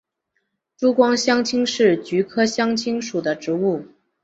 珠光香青是菊科香青属的植物。